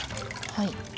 はい。